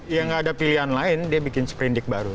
yang gak ada pilihan lain dia bikin sprendik baru